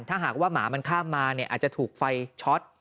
ถ้าหากว่าหมามันข้ามมาเนี่ยอาจจะถูกไฟช็อต